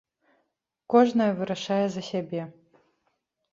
Кожная вырашае за сябе.